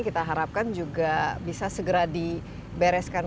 kita harapkan juga bisa segera dibereskan